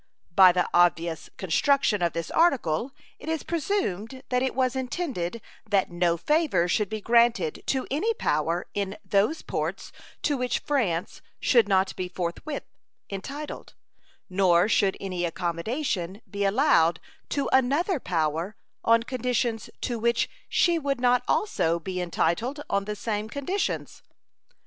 By the obvious construction of this article it is presumed that it was intended that no favor should be granted to any power in those ports to which France should not be forthwith entitled, nor should any accommodation be allowed to another power on conditions to which she would not also be entitled on the same conditions.